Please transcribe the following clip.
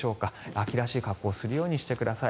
秋らしい格好をするようにしてください。